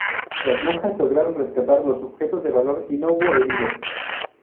Las monjas lograron rescatar los objetos de valor y no hubo heridos.